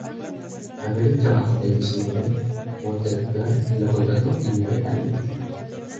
Al ver el trabajo del diseñador, Walter Clark lo contrató inmediatamente.